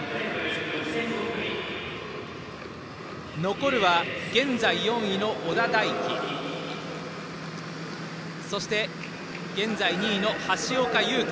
残るは現在４位の小田大樹そして、現在２位の橋岡優輝。